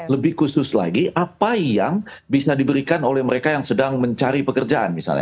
lebih khusus lagi apa yang bisa diberikan oleh mereka yang sedang mencari pekerjaan misalnya